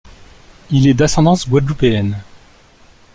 Il est d'ascendance guadeloupéenne.